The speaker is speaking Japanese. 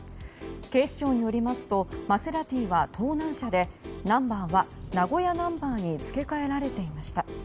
警視庁によりますとマセラティは盗難車でナンバーは名古屋ナンバーに付け替えられていました。